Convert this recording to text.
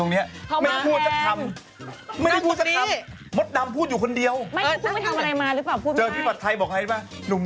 ตอนนี้หน้าพี่โพสต์เป็นไง